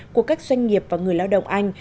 của các doanh nghiệp và người lao động anh